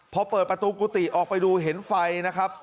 พอเปิดประตูกุฏิออกไปดูเห็นไฟนะครับ